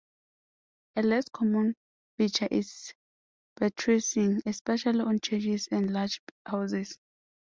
A less common feature is buttressing, especially on churches and larger houses.